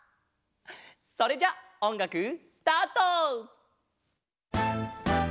それじゃあおんがくスタート！